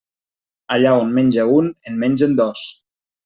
Allà on menja un, en mengen dos.